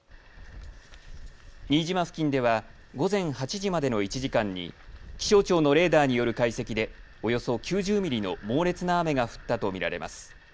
新島付近では午前８時までの１時間に気象庁のレーダーによる解析でおよそ９０ミリの猛烈な雨が降ったとみられます。